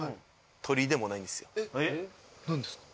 何ですか？